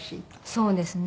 そうですね。